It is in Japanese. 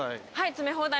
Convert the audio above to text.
詰め放題？